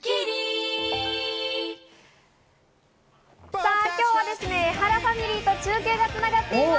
さぁ今日は、エハラファミリーと中継が繋がっています！